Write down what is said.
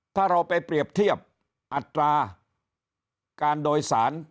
ถ้าเราไปเปรียบเทียบอัตราการโดยสาร